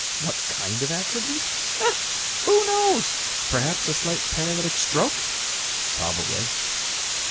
What kind of accident? Ah! who knows? Perhaps a slight paralytic stroke? Probably!